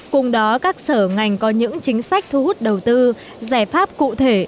cùng đó các sở ngành có những chính sách thu hút đầu tư giải pháp cụ thể